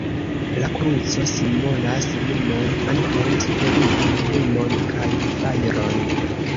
La kruco simbolas lumon, ankaŭ spiritan lumon, kaj fajron.